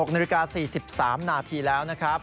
๖นาฬิกา๔๓นาทีแล้วนะครับ